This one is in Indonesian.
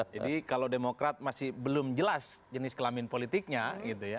jadi kalau demokrat masih belum jelas jenis kelamin politiknya gitu ya